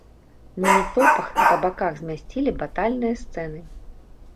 На метопах па баках змясцілі батальныя сцэны.